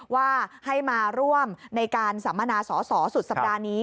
ว่าให้มาร่วมในการสัมมนาสอสอสุดสัปดาห์นี้